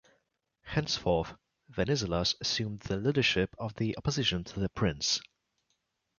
Henceforth, Venizelos assumed the leadership of the opposition to the Prince.